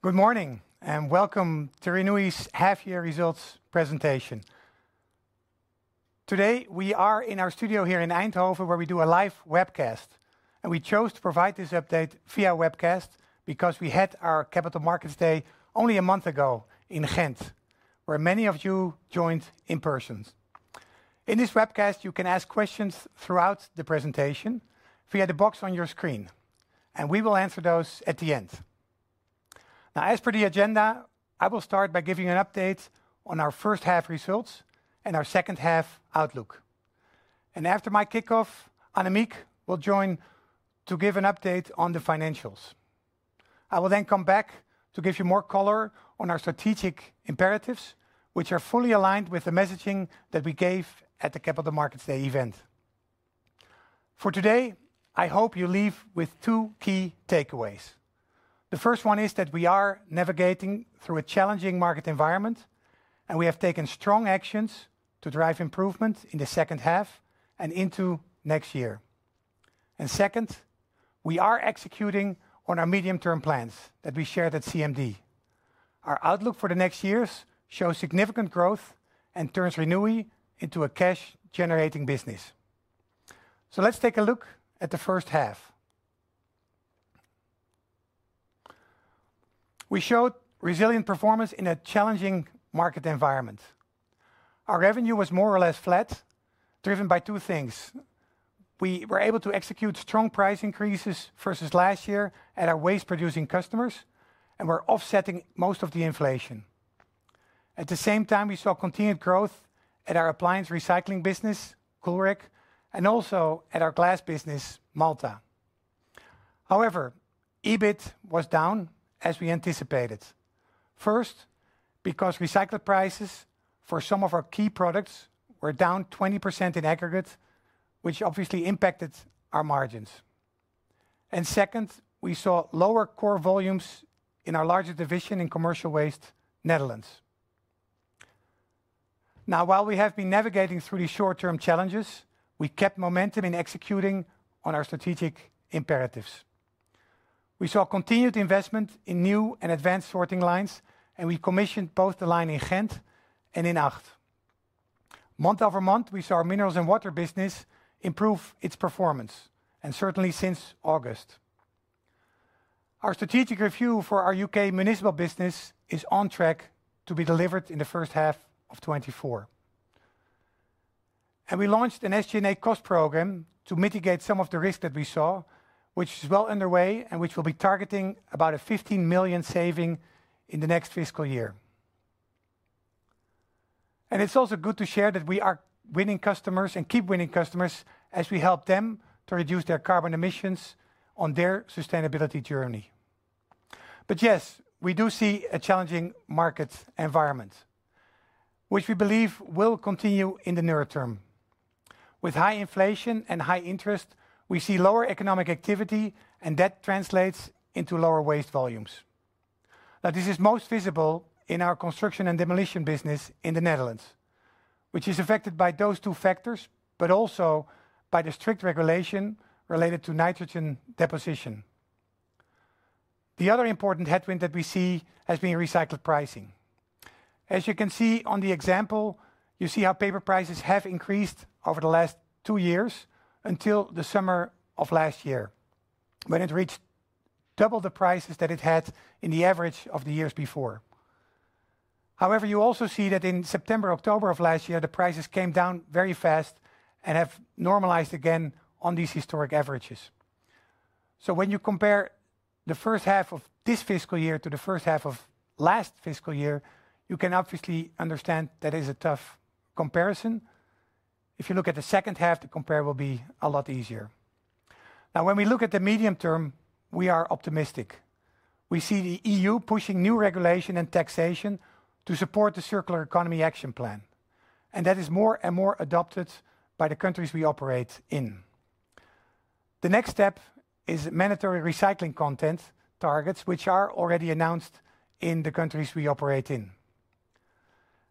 Good morning, and welcome to Renewi's half-year results presentation. Today, we are in our studio here in Eindhoven, where we do a live webcast, and we chose to provide this update via webcast because we had our Capital Markets Day only a month ago in Ghent, where many of you joined in person. In this webcast, you can ask questions throughout the presentation via the box on your screen, and we will answer those at the end. Now, as per the agenda, I will start by giving an update on our first half results and our second half outlook. After my kickoff, Annemieke will join to give an update on the financials. I will then come back to give you more color on our strategic imperatives, which are fully aligned with the messaging that we gave at the Capital Markets Day event. For today, I hope you leave with two key takeaways. The first one is that we are navigating through a challenging market environment, and we have taken strong actions to drive improvement in the second half and into next year. And second, we are executing on our medium-term plans that we shared at CMD. Our outlook for the next years shows significant growth and turns Renewi into a cash-generating business. So let's take a look at the first half. We showed resilient performance in a challenging market environment. Our revenue was more or less flat, driven by two things. We were able to execute strong price increases versus last year at our waste-producing customers, and we're offsetting most of the inflation. At the same time, we saw continued growth at our appliance recycling business, Coolrec, and also at our glass business, Maltha. However, EBIT was down, as we anticipated. First, because recycled prices for some of our key products were down 20% in aggregate, which obviously impacted our margins. Second, we saw lower core volumes in our larger division in Commercial Waste, Netherlands. Now, while we have been navigating through these short-term challenges, we kept momentum in executing on our strategic imperatives. We saw continued investment in new and advanced sorting lines, and we commissioned both the line in Ghent and in Acht. Month-over-month, we saw our minerals and water business improve its performance, and certainly since August. Our strategic review for our UK municipal business is on track to be delivered in the first half of 2024. We launched an SG&A cost program to mitigate some of the risk that we saw, which is well underway and which will be targeting about a 15 million saving in the next fiscal year. It's also good to share that we are winning customers and keep winning customers as we help them to reduce their carbon emissions on their sustainability journey. But yes, we do see a challenging market environment, which we believe will continue in the near term. With high inflation and high interest, we see lower economic activity, and that translates into lower waste volumes. Now, this is most visible in our construction and demolition business in the Netherlands, which is affected by those two factors, but also by the strict regulation related to nitrogen deposition. The other important headwind that we see has been recycled pricing. As you can see on the example, you see how paper prices have increased over the last two years until the summer of last year, when it reached double the prices that it had in the average of the years before. However, you also see that in September, October of last year, the prices came down very fast and have normalized again on these historic averages. So when you compare the first half of this fiscal year to the first half of last fiscal year, you can obviously understand that is a tough comparison. If you look at the second half, the comparison will be a lot easier. Now, when we look at the medium term, we are optimistic. We see the EU pushing new regulation and taxation to support the Circular Economy Action Plan, and that is more and more adopted by the countries we operate in. The next step is mandatory recycling content targets, which are already announced in the countries we operate in.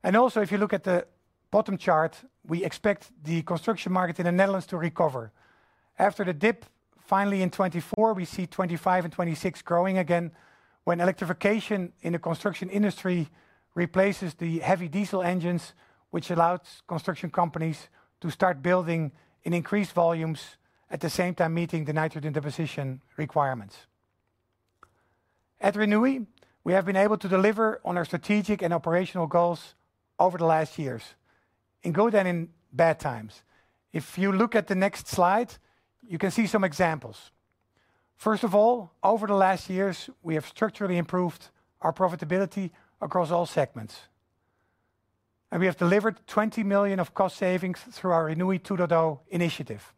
And also, if you look at the bottom chart, we expect the construction market in the Netherlands to recover. After the dip, finally in 2024, we see 2025 and 2026 growing again, when electrification in the construction industry replaces the heavy diesel engines, which allows construction companies to start building in increased volumes, at the same time, meeting the nitrogen deposition requirements. At Renewi, we have been able to deliver on our strategic and operational goals over the last years, in good and in bad times. If you look at the next slide, you can see some examples. First of all, over the last years, we have structurally improved our profitability across all segments, and we have delivered 20 million of cost savings through our Renewi 2.0 initiative.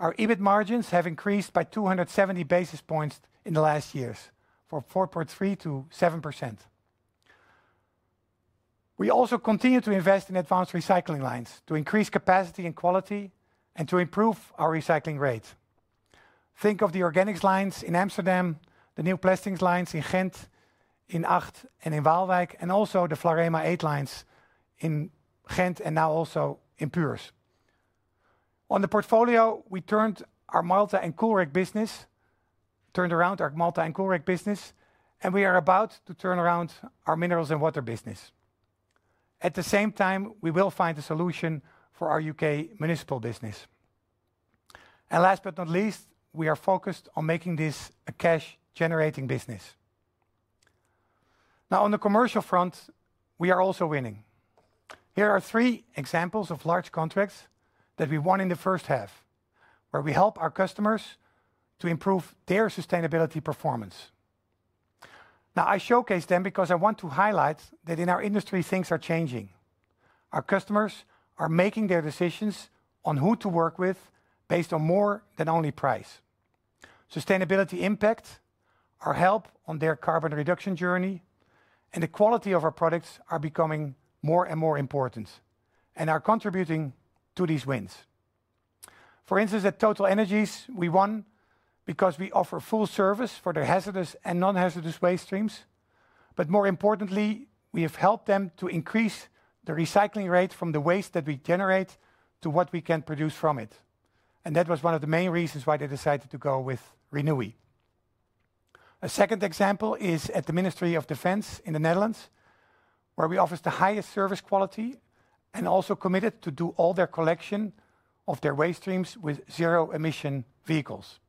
Our EBIT margins have increased by 270 basis points in the last years, from 4.3% to 7%. We also continue to invest in advanced recycling lines to increase capacity and quality and to improve our recycling rate. Think of the organics lines in Amsterdam, the new plastics lines in Ghent, in Acht, and in Waalwijk, and also the Vlarema eight lines in Ghent, and now also in Puurs on the portfolio, we turned our Maltha and Coolrec business, turned around our Maltha and Coolrec business, and we are about to turn around our minerals and water business. At the same time, we will find a solution for our UK municipal business. And last but not least, we are focused on making this a cash-generating business. Now, on the commercial front, we are also winning. Here are three examples of large contracts that we won in the first half, where we help our customers to improve their sustainability performance. Now, I showcase them because I want to highlight that in our industry, things are changing. Our customers are making their decisions on who to work with based on more than only price. Sustainability impact, our help on their carbon reduction journey, and the quality of our products are becoming more and more important, and are contributing to these wins. For instance, at TotalEnergies, we won because we offer full service for their hazardous and non-hazardous waste streams. But more importantly, we have helped them to increase the recycling rate from the waste that we generate to what we can produce from it, and that was one of the main reasons why they decided to go with Renewi. A second example is at the Ministry of Defence in the Netherlands, where we offer the highest service quality, and we are also committed to do all their collection of their waste streams with zero-emission vehicles.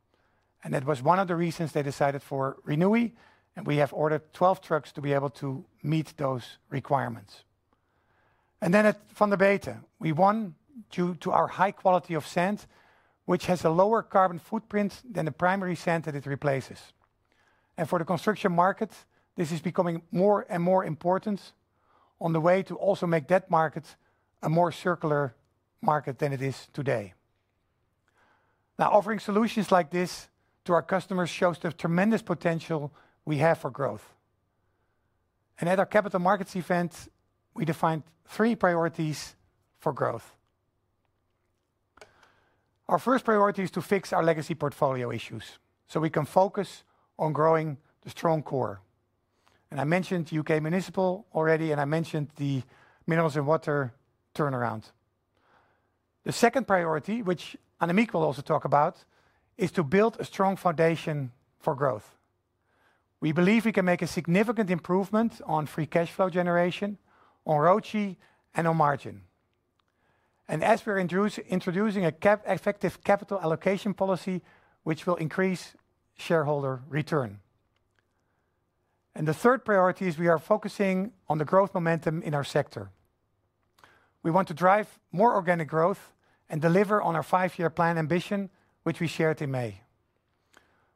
That was one of the reasons they decided for Renewi, and we have ordered 12 trucks to be able to meet those requirements. Then at Van den Bosch Beton, we won due to our high quality of sand, which has a lower carbon footprint than the primary sand that it replaces. For the construction market, this is becoming more and more important on the way to also make that market a more circular market than it is today. Now, offering solutions like this to our customers shows the tremendous potential we have for growth. At our capital markets event, we defined three priorities for growth. Our first priority is to fix our legacy portfolio issues, so we can focus on growing the strong core. I mentioned UK municipal already, and I mentioned the minerals and water turnaround. The second priority, which Annemieke will also talk about, is to build a strong foundation for growth. We believe we can make a significant improvement on free cash flow generation, on ROCE, and on margin. And as we're introducing an effective capital allocation policy, which will increase shareholder return. The third priority is we are focusing on the growth momentum in our sector. We want to drive more organic growth and deliver on our five-year plan ambition, which we shared in May.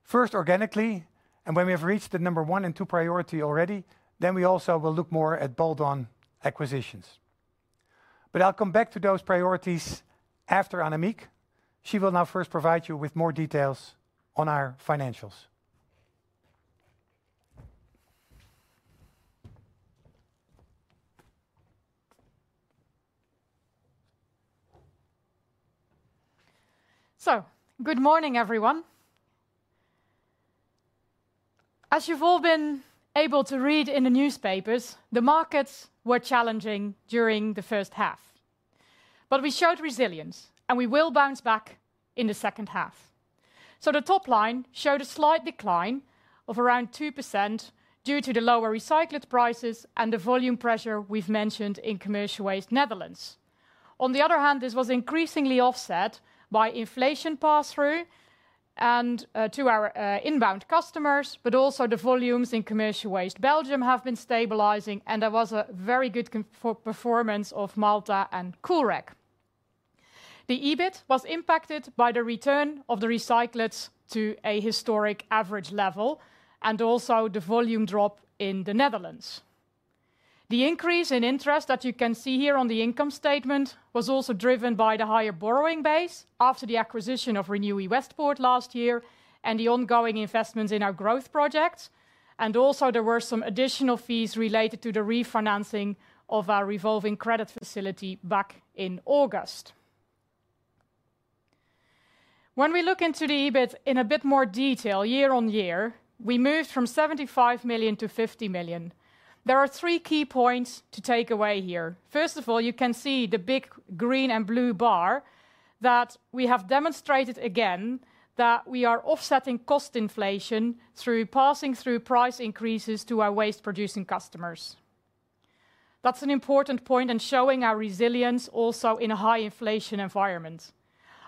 First, organically, and when we have reached the number one and two priority already, then we also will look more at bolt-on acquisitions. But I'll come back to those priorities after Annemieke. She will now first provide you with more details on our financials. So good morning, everyone. As you've all been able to read in the newspapers, the markets were challenging during the first half, but we showed resilience, and we will bounce back in the second half. So the top line showed a slight decline of around 2% due to the lower recyclate prices and the volume pressure we've mentioned in commercial waste Netherlands. On the other hand, this was increasingly offset by inflation pass-through and to our inbound customers, but also the volumes in commercial waste Belgium have been stabilizing, and there was a very good performance of Maltha and Coolrec. The EBIT was impacted by the return of the recyclates to a historic average level and also the volume drop in the Netherlands. The increase in interest that you can see here on the income statement was also driven by the higher borrowing base after the acquisition of Renewi Westpoort last year, and the ongoing investments in our growth projects. Also there were some additional fees related to the refinancing of our revolving credit facility back in August. When we look into the EBIT in a bit more detail, year-over-year, we moved from 75 million to 50 million. There are three key points to take away here. First of all, you can see the big green and blue bar, that we have demonstrated again that we are offsetting cost inflation through passing through price increases to our waste-producing customers. That's an important point in showing our resilience also in a high inflation environment.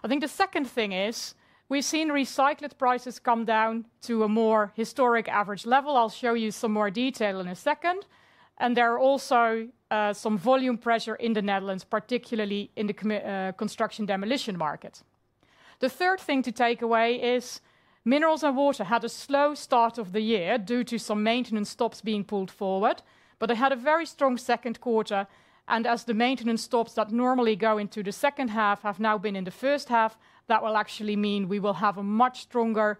I think the second thing is, we've seen recyclate prices come down to a more historic average level. I'll show you some more detail in a second. There are also some volume pressure in the Netherlands, particularly in the commercial construction demolition market. The third thing to take away is minerals and water had a slow start of the year due to some maintenance stops being pulled forward, but they had a very strong second quarter, and as the maintenance stops that normally go into the second half have now been in the first half, that will actually mean we will have a much stronger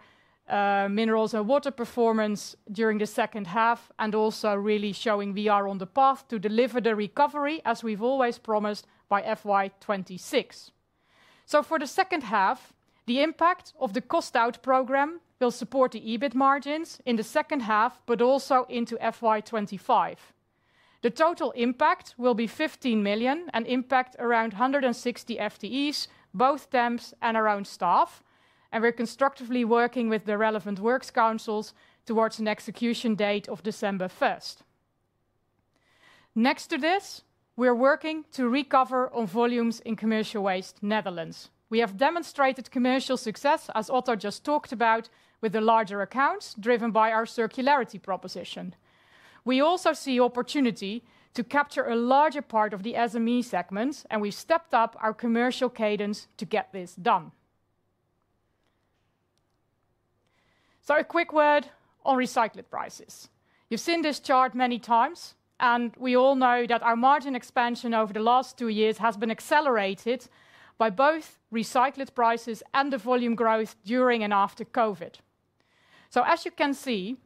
minerals and water performance during the second half, and also really showing we are on the path to deliver the recovery, as we've always promised by FY 2026. So for the second half, the impact of the cost-out program will support the EBIT margins in the second half, but also into FY 2025. The total impact will be 15 million, and impact around 160 FTEs, both temps and our own staff. And we're constructively working with the relevant works councils towards an execution date of December 1. Next to this, we're working to recover on volumes in Commercial Waste Netherlands. We have demonstrated commercial success, as Otto just talked about, with the larger accounts, driven by our circularity proposition. We also see opportunity to capture a larger part of the SME segments, and we stepped up our commercial cadence to get this done. So a quick word on recyclate prices. You've seen this chart many times, and we all know that our margin expansion over the last two years has been accelerated by both recyclates prices and the volume growth during and after COVID. So as you can see,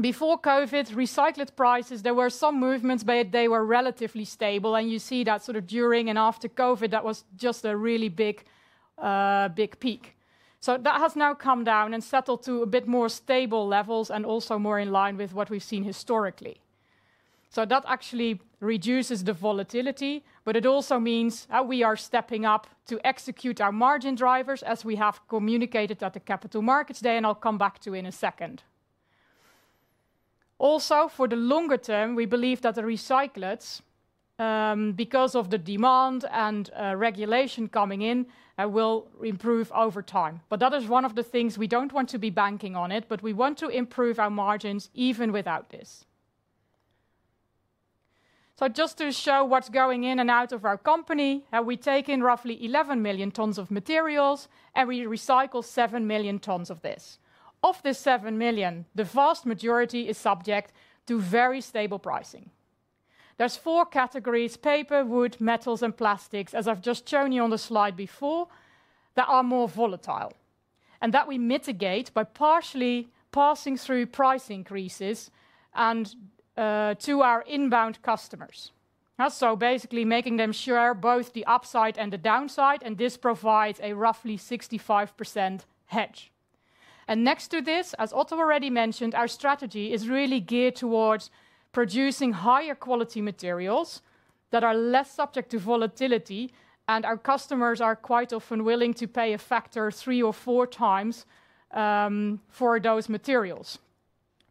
before COVID, recyclates prices, there were some movements, but they were relatively stable, and you see that sort of during and after COVID, that was just a really big, big peak. So that has now come down and settled to a bit more stable levels, and also more in line with what we've seen historically. So that actually reduces the volatility, but it also means that we are stepping up to execute our margin drivers, as we have communicated at the Capital Markets Day, and I'll come back to in a second. Also, for the longer term, we believe that the recyclates, because of the demand and regulation coming in, will improve over time. But that is one of the things we don't want to be banking on it, but we want to improve our margins even without this. So just to show what's going in and out of our company, and we take in roughly 11 million tons of materials, and we recycle 7 million tons of this. Of this 7 million, the vast majority is subject to very stable pricing. There's 4 categories: paper, wood, metals, and plastics, as I've just shown you on the slide before, that are more volatile. And that we mitigate by partially passing through price increases and to our inbound customers. So basically, making them share both the upside and the downside, and this provides a roughly 65% hedge. And next to this, as Otto already mentioned, our strategy is really geared towards producing higher quality materials that are less subject to volatility, and our customers are quite often willing to pay a factor three or four times for those materials.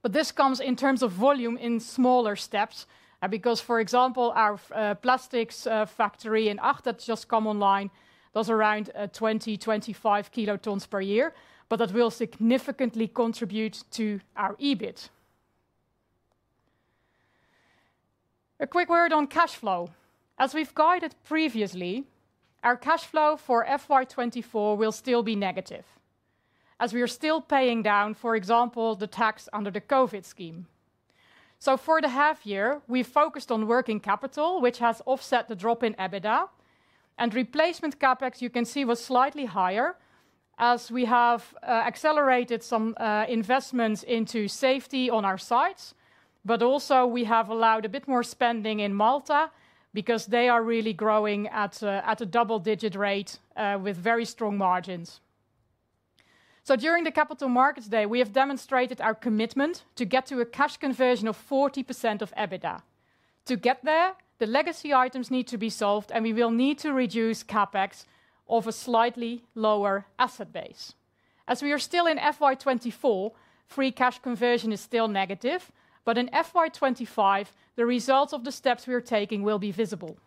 But this comes in terms of volume in smaller steps, because, for example, our plastics factory in Acht that just come online, does around 20-25 kilotons per year, but that will significantly contribute to our EBIT. A quick word on cash flow. As we've guided previously, our cash flow for FY 2024 will still be negative, as we are still paying down, for example, the tax under the COVID scheme. So for the half year, we focused on working capital, which has offset the drop in EBITDA. And replacement CapEx, you can see, was slightly higher, as we have accelerated some investments into safety on our sites. But also we have allowed a bit more spending in Maltha, because they are really growing at a double-digit rate with very strong margins. So during the Capital Markets Day, we have demonstrated our commitment to get to a cash conversion of 40% of EBITDA. To get there, the legacy items need to be solved, and we will need to reduce CapEx of a slightly lower asset base. As we are still in FY 2024, free cash conversion is still negative, but in FY 2025, the results of the steps we are taking will be visible.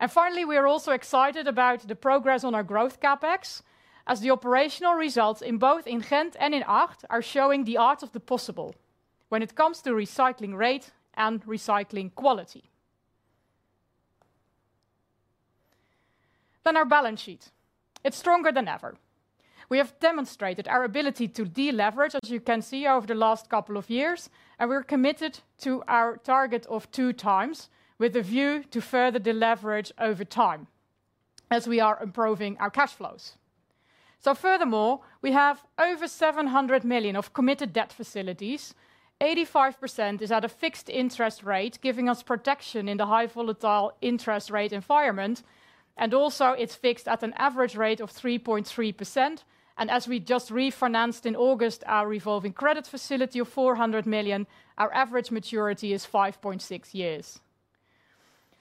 And finally, we are also excited about the progress on our growth CapEx, as the operational results in both Ghent and Acht are showing the art of the possible when it comes to recycling rate and recycling quality. Then our balance sheet, it's stronger than ever. We have demonstrated our ability to deleverage, as you can see, over the last couple of years, and we're committed to our target of 2x, with a view to further deleverage over time as we are improving our cash flows. So furthermore, we have over 700 million of committed debt facilities. 85% is at a fixed interest rate, giving us protection in the high volatile interest rate environment, and also it's fixed at an average rate of 3.3%. As we just refinanced in August our revolving credit facility of 400 million, our average maturity is 5.6 years.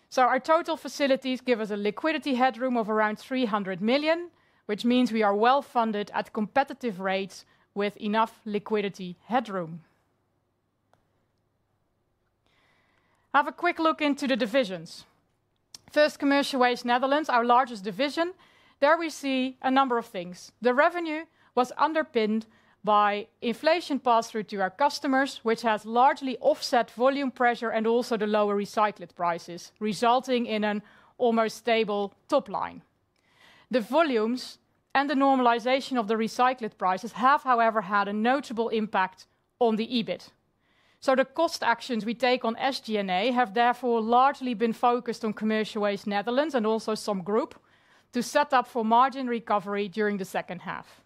So our total facilities give us a liquidity headroom of around 300 million, which means we are well funded at competitive rates with enough liquidity headroom. Have a quick look into the divisions. First, Commercial Waste Netherlands, our largest division. There we see a number of things. The revenue was underpinned by inflation passed through to our customers, which has largely offset volume pressure and also the lower recyclate prices, resulting in an almost stable top line. The volumes and the normalization of the recyclate prices have, however, had a notable impact on the EBIT. So the cost actions we take on SG&A have therefore largely been focused on Commercial Waste Netherlands, and also some group, to set up for margin recovery during the second half.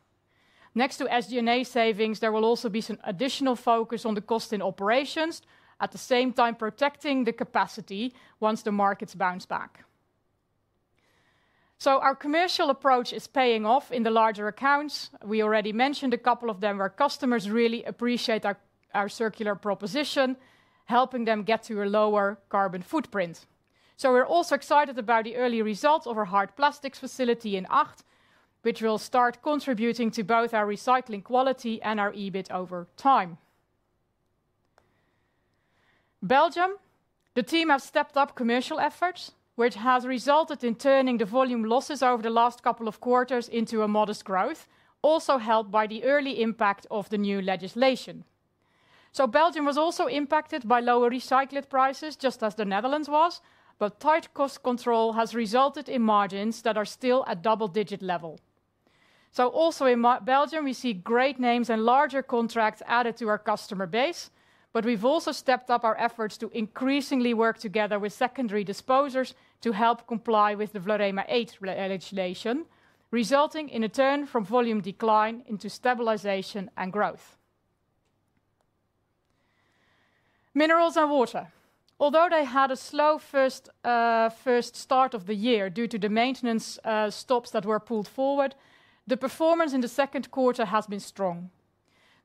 Next to SG&A savings, there will also be some additional focus on the cost and operations, at the same time protecting the capacity once the markets bounce back. So our commercial approach is paying off in the larger accounts. We already mentioned a couple of them, where customers really appreciate our, our circular proposition, helping them get to a lower carbon footprint. So we're also excited about the early results of our hard plastics facility in Acht, which will start contributing to both our recycling quality and our EBIT over time. Belgium, the team have stepped up commercial efforts, which has resulted in turning the volume losses over the last couple of quarters into a modest growth, also helped by the early impact of the new legislation. So Belgium was also impacted by lower recyclate prices, just as the Netherlands was, but tight cost control has resulted in margins that are still at double-digit level. So also in Belgium, we see great names and larger contracts added to our customer base, but we've also stepped up our efforts to increasingly work together with secondary disposers to help comply with the VLAREMA 8 legislation, resulting in a turn from volume decline into stabilization and growth. Minerals and water. Although they had a slow first start of the year due to the maintenance stops that were pulled forward, the performance in the second quarter has been strong.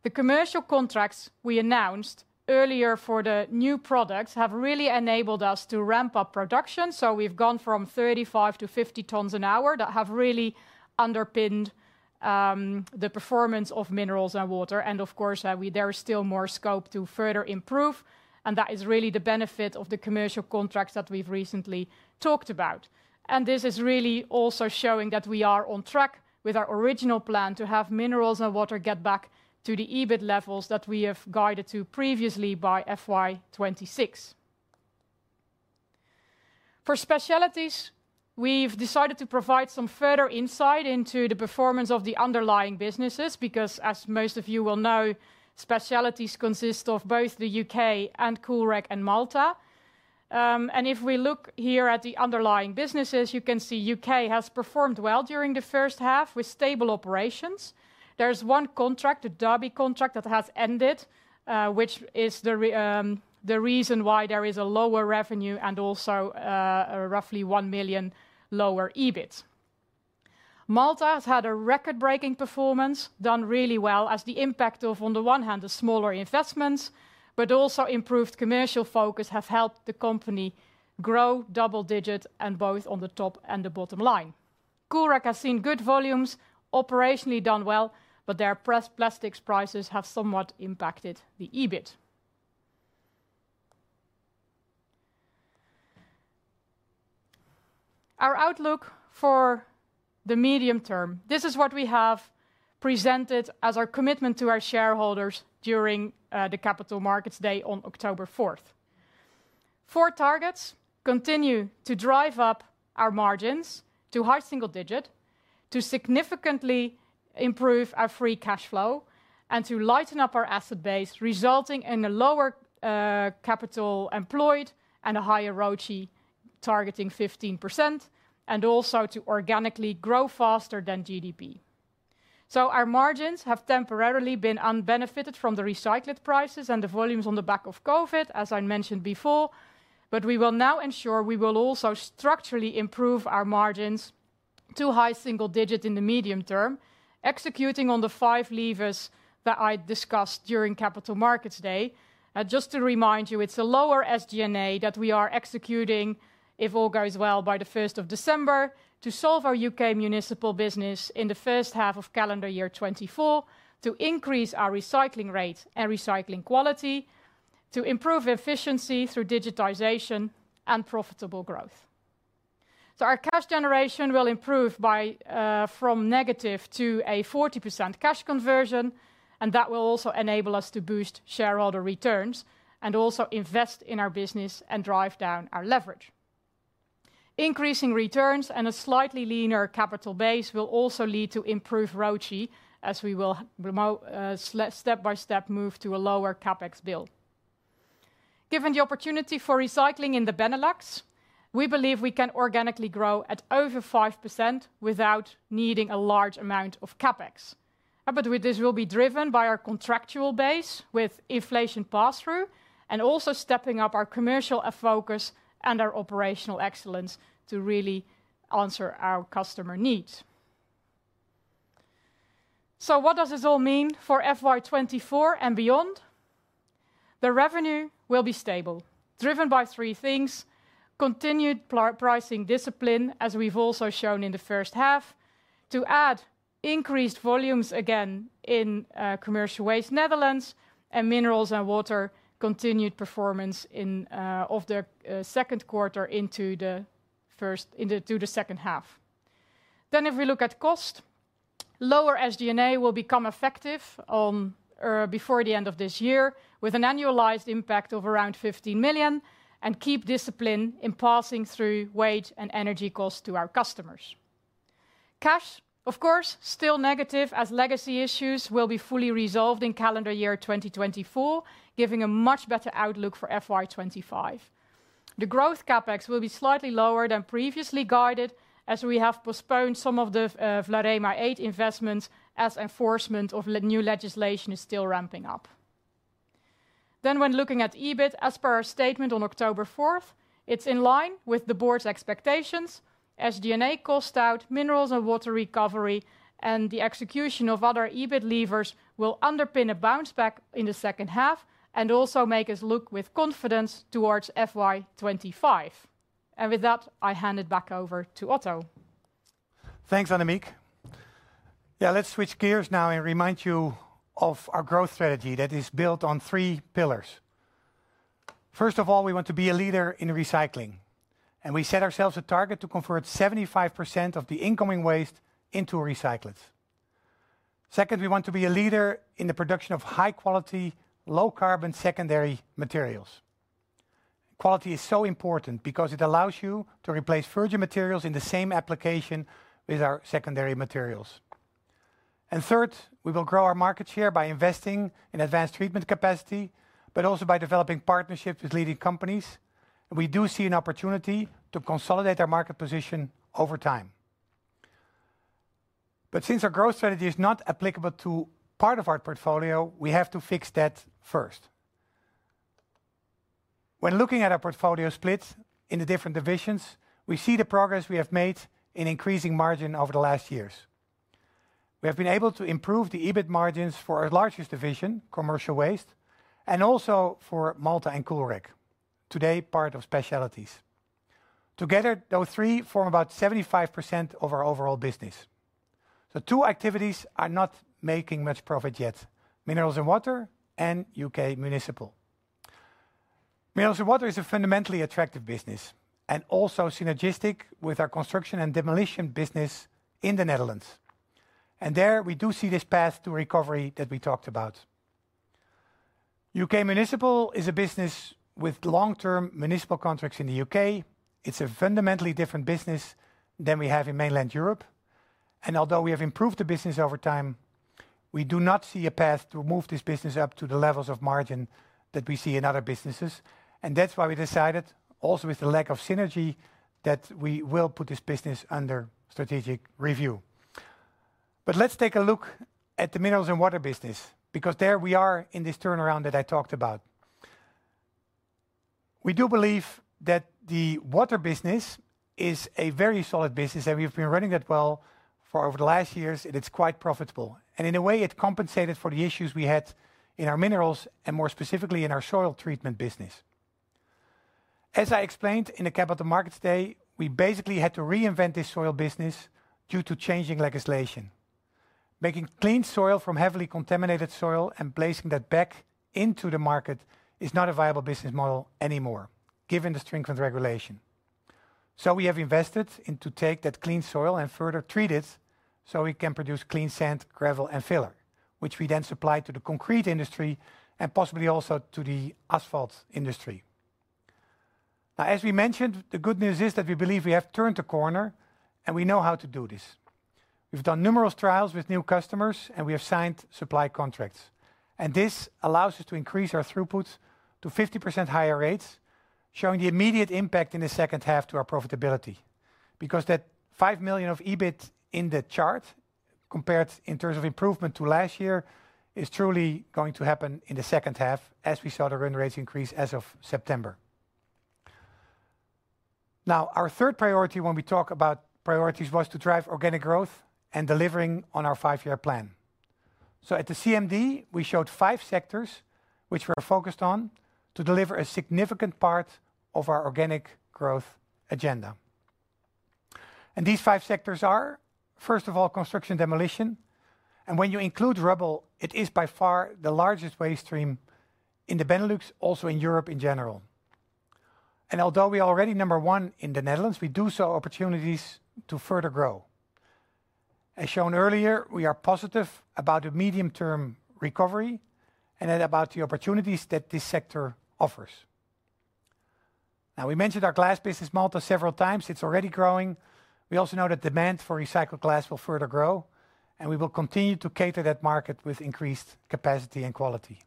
The commercial contracts we announced earlier for the new products have really enabled us to ramp up production. So we've gone from 35 to 50 tons an hour that have really underpinned the performance of minerals and water. And of course, there is still more scope to further improve, and that is really the benefit of the commercial contracts that we've recently talked about. And this is really also showing that we are on track with our original plan to have minerals and water get back to the EBIT levels that we have guided to previously by FY 2026. For Specialities, we've decided to provide some further insight into the performance of the underlying businesses, because, as most of you will know, Specialities consist of both the UK and Coolrec and Maltha. And if we look here at the underlying businesses, you can see UK has performed well during the first half with stable operations. There's one contract, a Derby contract, that has ended, which is the reason why there is a lower revenue and also, a roughly 1 million lower EBIT. Maltha has had a record-breaking performance, done really well as the impact of, on the one hand, the smaller investments, but also improved commercial focus, have helped the company grow double-digit and both on the top and the bottom line. Coolrec has seen good volumes, operationally done well, but their plastic prices have somewhat impacted the EBIT. Our outlook for the medium term. This is what we have presented as our commitment to our shareholders during the Capital Markets Day on October fourth. Four targets: continue to drive up our margins to high single digit, to significantly improve our free cash flow, and to lighten up our asset base, resulting in a lower, capital employed and a higher ROCE, targeting 15%, and also to organically grow faster than GDP. So our margins have temporarily been unbenefited from the recyclate prices and the volumes on the back of COVID, as I mentioned before, but we will now ensure we will also structurally improve our margins to high single digit in the medium term, executing on the five levers that I discussed during Capital Markets Day. Just to remind you, it's a lower SG&A that we are executing, if all goes well, by the first of December, to solve our UK municipal business in the first half of calendar year 2024, to increase our recycling rate and recycling quality, to improve efficiency through digitization and profitable growth. So our cash generation will improve by from negative to a 40% cash conversion, and that will also enable us to boost shareholder returns and also invest in our business and drive down our leverage. Increasing returns and a slightly leaner capital base will also lead to improved ROCE, as we will step by step, move to a lower CapEx bill. Given the opportunity for recycling in the Benelux, we believe we can organically grow at over 5% without needing a large amount of CapEx. But with this, we will be driven by our contractual base with inflation pass-through, and also stepping up our commercial focus and our operational excellence to really answer our customer needs. So what does this all mean for FY 2024 and beyond? The revenue will be stable, driven by three things: continued pricing discipline, as we've also shown in the first half, to add increased volumes again in commercial waste, Netherlands and minerals and water, continued performance of the second quarter into the second half. Then, if we look at cost, lower SG&A will become effective before the end of this year, with an annualized impact of around 50 million, and keep discipline in passing through wage and energy costs to our customers. Cash, of course, still negative, as legacy issues will be fully resolved in calendar year 2024, giving a much better outlook for FY 2025. The growth CapEx will be slightly lower than previously guided, as we have postponed some of the VLAREMA 8 investments as enforcement of new legislation is still ramping up. Then when looking at EBIT, as per our statement on 4 October it's in line with the board's expectations as SG&A cost out minerals and water recovery, and the execution of other EBIT levers will underpin a bounce back in the second half and also make us look with confidence towards FY 2025. And with that, I hand it back over to Otto. Thanks, Annemieke. Yeah, let's switch gears now and remind you of our growth strategy that is built on three pillars. First of all, we want to be a leader in recycling, and we set ourselves a target to convert 75% of the incoming waste into recyclates. Second, we want to be a leader in the production of high quality, low carbon secondary materials. Quality is so important because it allows you to replace virgin materials in the same application with our secondary materials. And third, we will grow our market share by investing in advanced treatment capacity, but also by developing partnerships with leading companies. We do see an opportunity to consolidate our market position over time. But since our growth strategy is not applicable to part of our portfolio, we have to fix that first. When looking at our portfolio splits in the different divisions, we see the progress we have made in increasing margin over the last years. We have been able to improve the EBIT margins for our largest division, commercial waste, and also for Maltha and Coolrec, today part of Specialities. Together, those three form about 75% of our overall business. The two activities are not making much profit yet: minerals and water and UK municipal. Minerals and water is a fundamentally attractive business and also synergistic with our construction and demolition business in the Netherlands. And there we do see this path to recovery that we talked about. UK municipal is a business with long-term municipal contracts in the UK. It's a fundamentally different business than we have in mainland Europe, and although we have improved the business over time, we do not see a path to move this business up to the levels of margin that we see in other businesses. And that's why we decided, also with the lack of synergy, that we will put this business under strategic review. But let's take a look at the minerals and water business, because there we are in this turnaround that I talked about. We do believe that the water business is a very solid business, and we've been running it well for over the last years, and it's quite profitable. And in a way, it compensated for the issues we had in our minerals and more specifically, in our soil treatment business. As I explained in the Capital Markets Day, we basically had to reinvent this soil business due to changing legislation. Making clean soil from heavily contaminated soil and placing that back into the market is not a viable business model anymore, given the strength of the regulation. So we have invested in to take that clean soil and further treat it, so we can produce clean sand, gravel, and filler, which we then supply to the concrete industry and possibly also to the asphalt industry. Now, as we mentioned, the good news is that we believe we have turned the corner, and we know how to do this. We've done numerous trials with new customers, and we have signed supply contracts, and this allows us to increase our throughput to 50% higher rates, showing the immediate impact in the second half to our profitability. Because that 5 million of EBIT in the chart, compared in terms of improvement to last year, is truly going to happen in the second half as we saw the run rates increase as of September. Now, our third priority when we talk about priorities, was to drive organic growth and delivering on our five-year plan. So at the CMD, we showed five sectors which we're focused on to deliver a significant part of our organic growth agenda. And these five sectors are, first of all, construction, demolition, and when you include rubble, it is by far the largest waste stream in the Benelux, also in Europe in general. And although we are already number one in the Netherlands, we do see opportunities to further grow. As shown earlier, we are positive about the medium-term recovery and about the opportunities that this sector offers. Now, we mentioned our glass business, Maltha, several times. It's already growing. We also know that demand for recycled glass will further grow, and we will continue to cater that market with increased capacity and quality.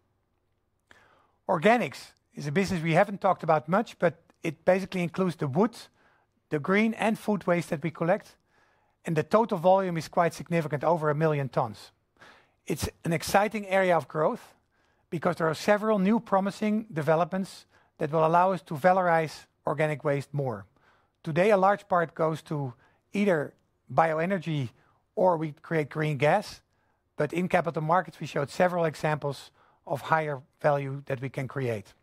Organics is a business we haven't talked about much, but it basically includes the wood, the green and food waste that we collect, and the total volume is quite significant, over 1,000,000 tons. It's an exciting area of growth because there are several new promising developments that will allow us to valorize organic waste more. Today, a large part goes to either bioenergy or we create green gas. But in capital markets, we showed several examples of higher value that we can create,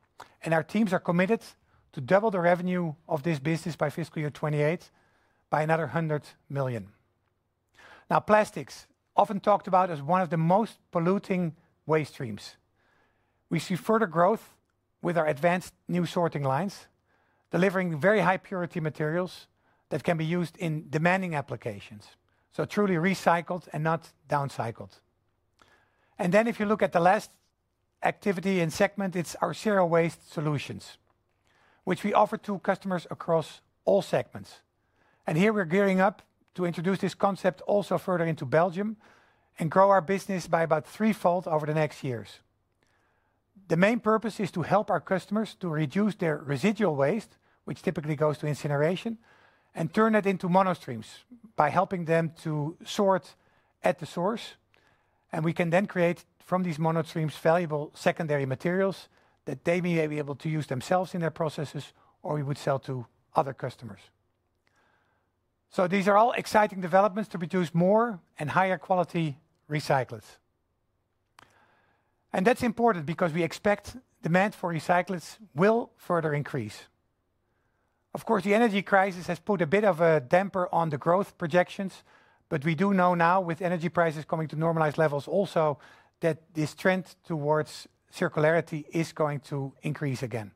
and our teams are committed to double the revenue of this business by fiscal year 2028 by another 100 million. Now, plastics, often talked about as one of the most polluting waste streams. We see further growth with our advanced new sorting lines, delivering very high purity materials that can be used in demanding applications, so truly recycled and not downcycled. And then if you look at the last activity and segment, it's our zero waste solutions, which we offer to customers across all segments. And here we're gearing up to introduce this concept also further into Belgium and grow our business by about threefold over the next years. The main purpose is to help our customers to reduce their residual waste, which typically goes to incineration, and turn it into monostreams by helping them to sort at the source, and we can then create from these mono-streams valuable secondary materials that they may be able to use themselves in their processes, or we would sell to other customers. So these are all exciting developments to produce more and higher quality recyclates. And that's important because we expect demand for recyclates will further increase. Of course, the energy crisis has put a bit of a damper on the growth projections, but we do know now, with energy prices coming to normalized levels also, that this trend towards circularity is going to increase again.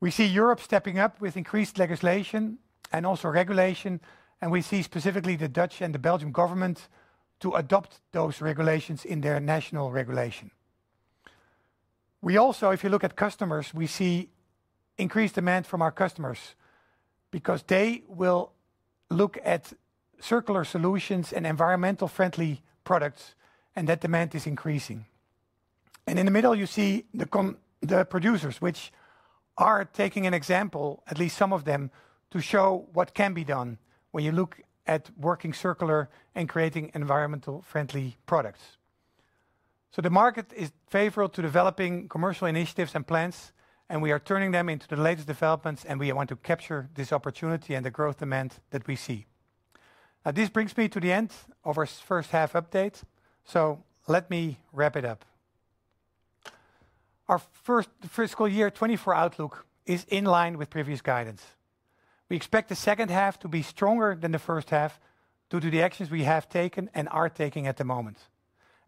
We see Europe stepping up with increased legislation and also regulation, and we see specifically the Dutch and the Belgian government to adopt those regulations in their national regulation. We also, if you look at customers, we see increased demand from our customers because they will look at circular solutions and environmental friendly products, and that demand is increasing. And in the middle, you see the com The producers, which are taking an example, at least some of them, to show what can be done when you look at working circular and creating environmental friendly products. So the market is favorable to developing commercial initiatives and plans, and we are turning them into the latest developments, and we want to capture this opportunity and the growth demand that we see. Now, this brings me to the end of our first half update, so let me wrap it up. Our first fiscal year 2024 outlook is in line with previous guidance. We expect the second half to be stronger than the first half due to the actions we have taken and are taking at the moment.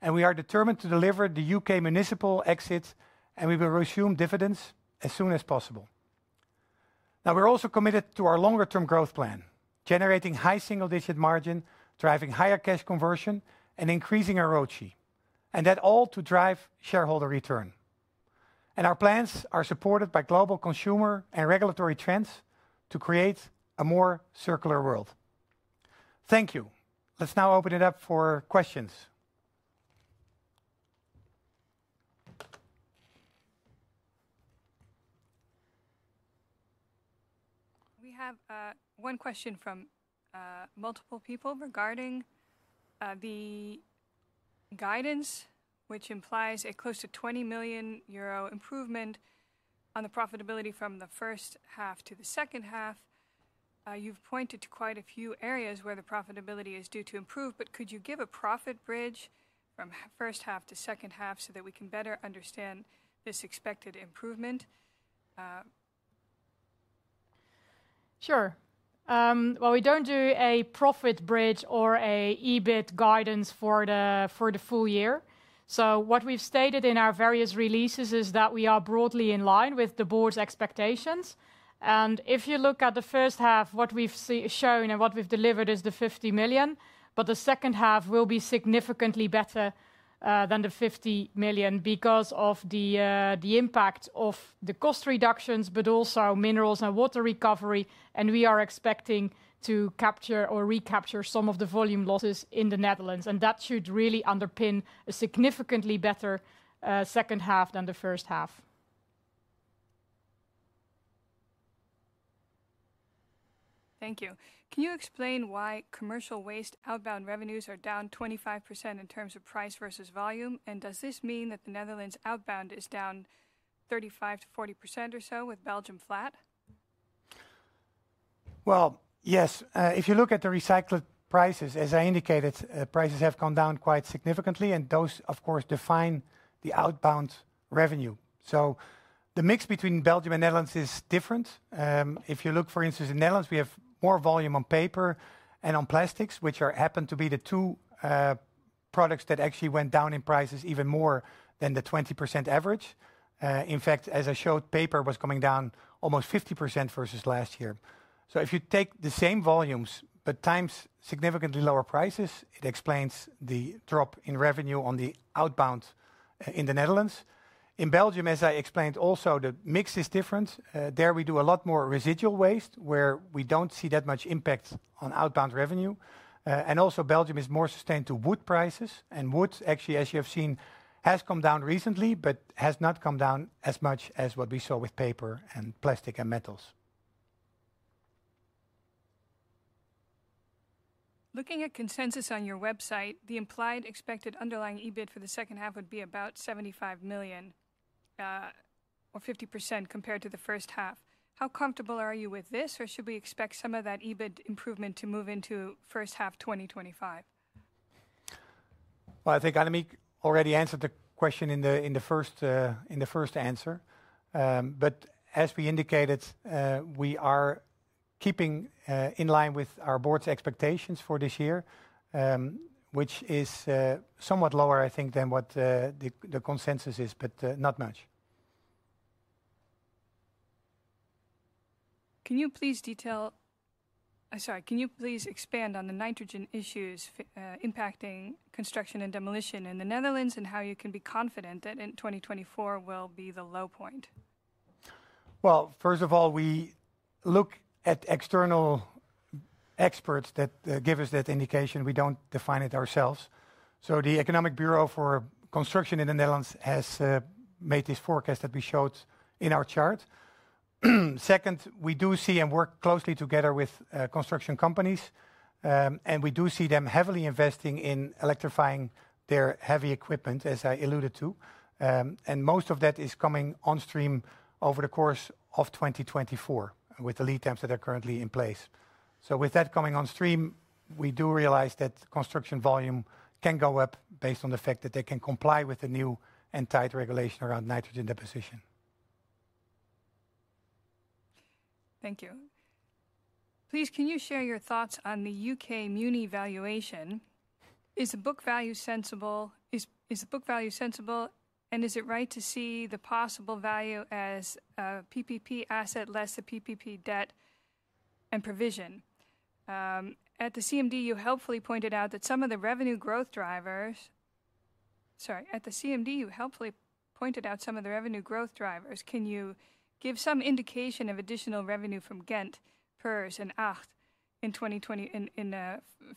And we are determined to deliver the UK municipal exits, and we will resume dividends as soon as possible. Now, we're also committed to our longer term growth plan, generating high single-digit margin, driving higher cash conversion and increasing our ROCE, and that all to drive shareholder return. Our plans are supported by global consumer and regulatory trends to create a more circular world. Thank you. Let's now open it up for questions. We have one question from multiple people regarding the guidance, which implies a close to 20 million euro improvement on the profitability from the first half to the second half. You've pointed to quite a few areas where the profitability is due to improve, but could you give a profit bridge from first half to second half so that we can better understand this expected improvement? Sure. Well, we don't do a profit bridge or a EBIT guidance for the, for the full year. So what we've stated in our various releases is that we are broadly in line with the board's expectations. If you look at the first half, what we've shown and what we've delivered is the 50 million, but the second half will be significantly better than the 50 million because of the, the impact of the cost reductions, but also minerals and water recovery, and we are expecting to capture or recapture some of the volume losses in the Netherlands, and that should really underpin a significantly better second half than the first half. Thank you. Can you explain why commercial waste outbound revenues are down 25% in terms of price versus volume? And does this mean that the Netherlands outbound is down 35%-40% or so, with Belgium flat? Well, yes. If you look at the recycled prices, as I indicated, prices have gone down quite significantly, and those, of course, define the outbound revenue. So the mix between Belgium and Netherlands is different. If you look, for instance, in Netherlands, we have more volume on paper and on plastics, which happen to be the two products that actually went down in prices even more than the 20% average. In fact, as I showed, paper was coming down almost 50% versus last year. So if you take the same volumes, but times significantly lower prices, it explains the drop in revenue on the outbound in the Netherlands. In Belgium, as I explained, also, the mix is different. There we do a lot more residual waste, where we don't see that much impact on outbound revenue. And also, Belgium is more sensitive to wood prices, and wood, actually, as you have seen, has come down recently, but has not come down as much as what we saw with paper and plastic and metals. Looking at consensus on your website, the implied expected underlying EBIT for the second half would be about 75 million, or 50% compared to the first half. How comfortable are you with this, or should we expect some of that EBIT improvement to move into first half 2025? Well, I think Annemieke already answered the question in the first answer. But as we indicated, we are keeping in line with our board's expectations for this year, which is somewhat lower, I think, than what the consensus is, but not much. Can you please expand on the nitrogen issues impacting construction and demolition in the Netherlands and how you can be confident that in 2024 will be the low point? Well, first of all, we look at external experts that give us that indication. We don't define it ourselves. So the Economic Institute for Construction in the Netherlands has made this forecast that we showed in our chart. Second, we do see and work closely together with construction companies. And we do see them heavily investing in electrifying their heavy equipment, as I alluded to. And most of that is coming on stream over the course of 2024, with the lead times that are currently in place. So with that coming on stream, we do realize that construction volume can go up based on the fact that they can comply with the new and tight regulation around nitrogen deposition. Thank you. Please, can you share your thoughts on the UK muni valuation? Is the book value sensible, and is it right to see the possible value as PPP asset, less the PPP debt and provision? At the CMD, you helpfully pointed out some of the revenue growth drivers. Can you give some indication of additional revenue from Ghent, Puurs, and Acht in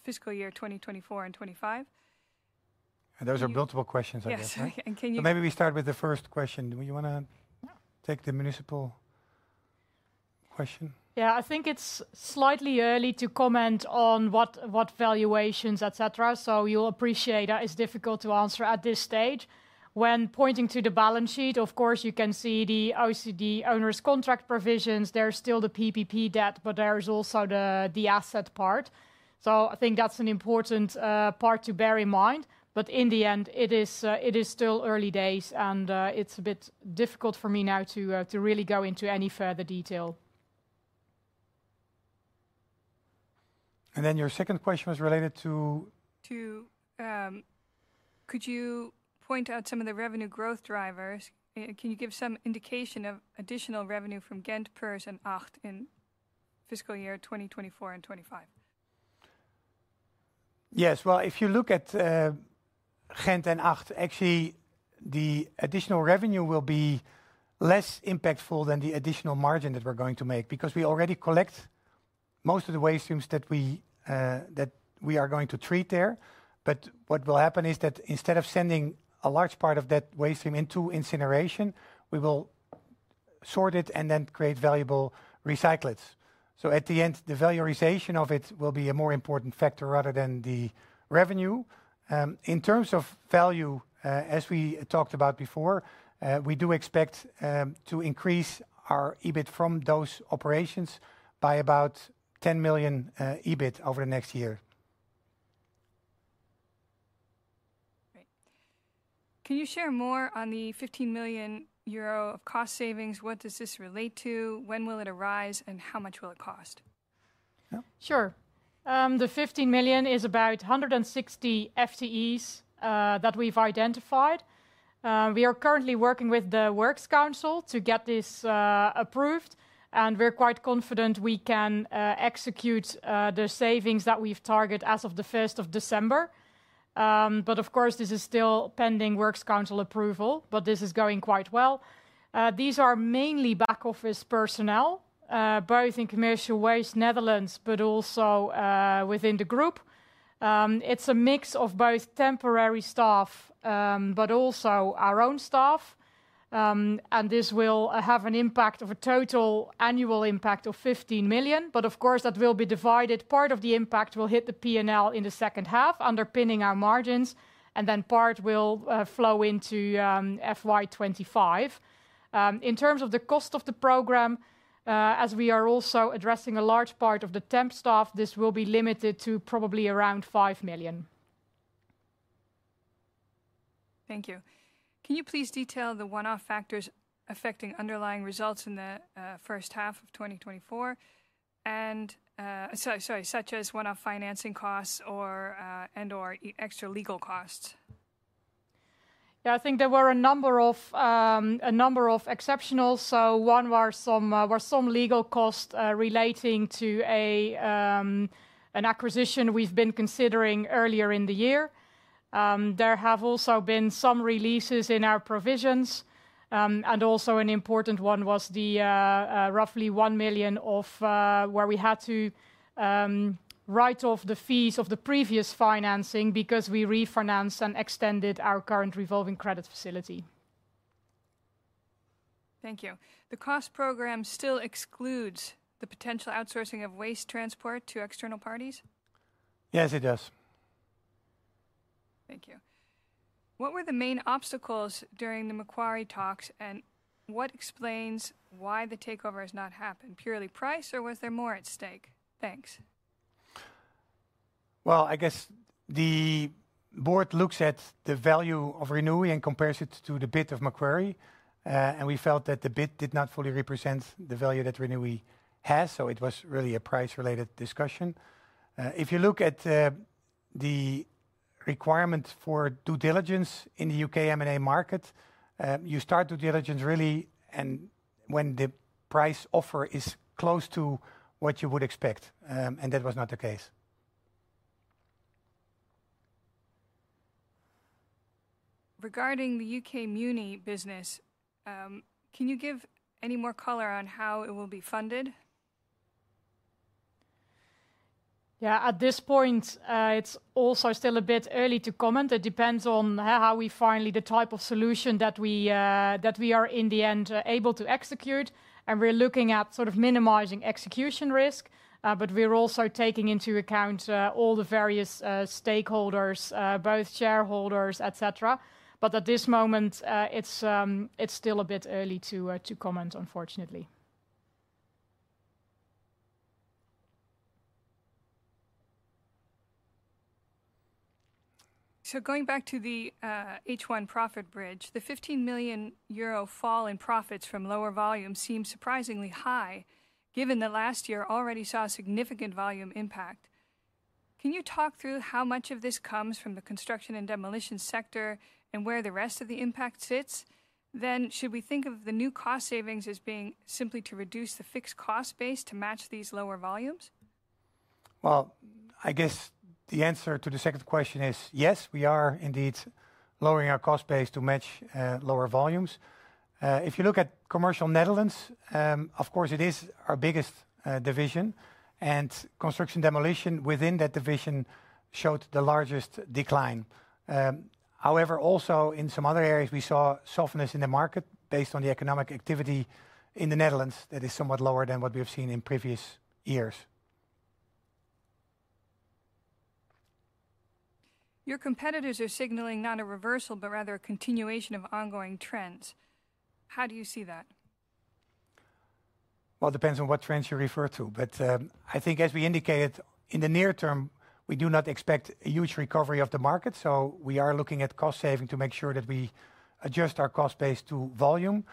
fiscal year 2024 and 2025? Those are multiple questions, I guess, right? Yes. And can you Maybe we start with the first question. Do you wanna- Yeah Take the municipal question? Yeah, I think it's slightly early to comment on what, what valuations, et cetera, so you'll appreciate that it's difficult to answer at this stage. When pointing to the balance sheet, of course, you can see the old owner's contract provisions. There's still the PPP debt, but there is also the, the asset part. So I think that's an important part to bear in mind, but in the end, it is, it is still early days, and, it's a bit difficult for me now to, to really go into any further detail. Your second question was related to? Could you point out some of the revenue growth drivers? Can you give some indication of additional revenue from Ghent, Puurs, and Acht in fiscal year 2024 and 2025? Yes. Well, if you look at Ghent and Acht, actually, the additional revenue will be less impactful than the additional margin that we're going to make, because we already collect most of the waste streams that we, that we are going to treat there. But what will happen is that instead of sending a large part of that waste stream into incineration, we will sort it and then create valuable recyclates. So at the end, the valorization of it will be a more important factor rather than the revenue. In terms of value, as we talked about before, we do expect to increase our EBIT from those operations by about 10 million EBIT over the next year. Great. Can you share more on the 15 million euro of cost savings? What does this relate to? When will it arise, and how much will it cost? Yeah. Sure. The 15 million is about 160 FTEs that we've identified. We are currently working with the Works Council to get this approved, and we're quite confident we can execute the savings that we've targeted as of the first of December. But of course, this is still pending Works Council approval, but this is going quite well. These are mainly back office personnel, both in Commercial Waste Netherlands, but also within the group. It's a mix of both temporary staff, but also our own staff. And this will have an impact of a total annual impact of 15 million, but of course, that will be divided. Part of the impact will hit the P&L in the second half, underpinning our margins, and then part will flow into FY 2025. In terms of the cost of the program, as we are also addressing a large part of the temp staff, this will be limited to probably around 5 million. Thank you. Can you please detail the one-off factors affecting underlying results in the first half of 2024, and, sorry, sorry, such as one-off financing costs or and/or extra legal costs? Yeah, I think there were a number of exceptionals. So one were some legal costs relating to an acquisition we've been considering earlier in the year. There have also been some releases in our provisions, and also an important one was the roughly 1 million where we had to write off the fees of the previous financing because we refinanced and extended our current revolving credit facility. Thank you. The cost program still excludes the potential outsourcing of waste transport to external parties? Yes, it does. Thank you. What were the main obstacles during the Macquarie talks, and what explains why the takeover has not happened? Purely price, or was there more at stake? Thanks. Well, I guess the board looks at the value of Renewi and compares it to the bid of Macquarie, and we felt that the bid did not fully represent the value that Renewi has, so it was really a price-related discussion. If you look at the requirement for due diligence in the U.K. M&A market, you start due diligence really and when the price offer is close to what you would expect, and that was not the case. Regarding the UK muni business, can you give any more color on how it will be funded? Yeah, at this point, it's also still a bit early to comment. It depends on how we finally the type of solution that we are in the end able to execute, and we're looking at sort of minimizing execution risk, but we're also taking into account all the various stakeholders, both shareholders, et cetera. But at this moment, it's still a bit early to comment, unfortunately. Going back to the H1 profit bridge, the 15 million euro fall in profits from lower volume seems surprisingly high, given that last year already saw a significant volume impact. Can you talk through how much of this comes from the construction and demolition sector, and where the rest of the impact sits? Then, should we think of the new cost savings as being simply to reduce the fixed cost base to match these lower volumes? Well, I guess the answer to the second question is, yes, we are indeed lowering our cost base to match lower volumes. If you look at Commercial Netherlands, of course, it is our biggest division, and construction demolition within that division showed the largest decline. However, also in some other areas, we saw softness in the market based on the economic activity in the Netherlands that is somewhat lower than what we have seen in previous years. Your competitors are signaling not a reversal, but rather a continuation of ongoing trends. How do you see that? Well, it depends on what trends you refer to, but I think as we indicated, in the near term, we do not expect a huge recovery of the market, so we are looking at cost saving to make sure that we adjust our cost base to volume.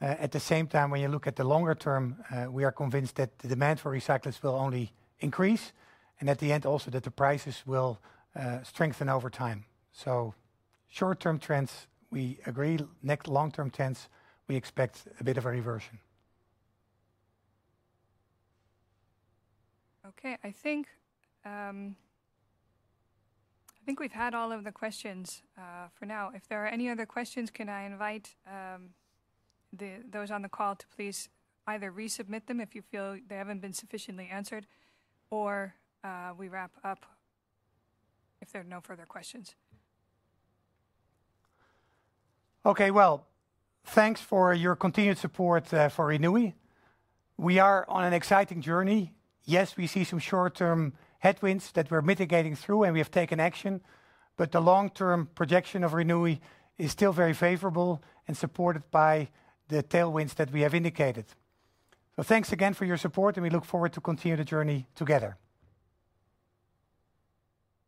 At the same time, when you look at the longer term, we are convinced that the demand for recyclers will only increase, and at the end also, that the prices will strengthen over time. So short-term trends, we agree. Next, long-term trends, we expect a bit of a reversion. Okay. I think we've had all of the questions for now. If there are any other questions, can I invite those on the call to please either resubmit them if you feel they haven't been sufficiently answered, or we wrap up if there are no further questions. Okay, well, thanks for your continued support for Renewi. We are on an exciting journey. Yes, we see some short-term headwinds that we're mitigating through, and we have taken action, but the long-term projection of Renewi is still very favorable and supported by the tailwinds that we have indicated. So thanks again for your support, and we look forward to continue the journey together.